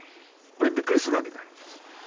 俺びっくりするわけだ。